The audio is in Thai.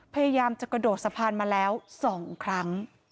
พยายามจะกระโดดสะพานมาแล้ว๒ครั้ง